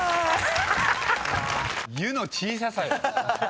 「ゆ」の小ささよ！